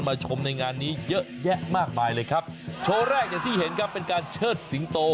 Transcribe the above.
ชมในงานนี้เยอะแยะมากมายเลยครับโชว์แรกอย่างที่เห็นครับเป็นการเชิดสิงโต